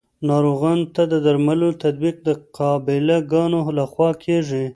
ناروغانو ته د درملو تطبیق د قابله ګانو لخوا کیږي.